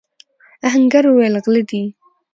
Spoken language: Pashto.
آهنګر وويل: غله دي!